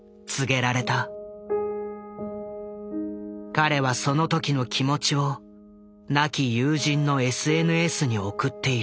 彼はその時の気持ちを亡き友人のＳＮＳに送っている。